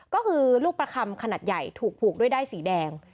ก็คือลูกประคำขนาดใหญ่ถูกผูกด้วยด้ายสีแดง